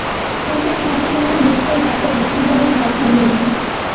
কিন্তু এমন অসামান্য নিষ্ফলতাতেও মাখনবাবু হাল ছাড়িলেন না।